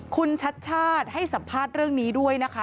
คุณชัดชาติให้สัมภาษณ์เรื่องนี้ด้วยนะคะ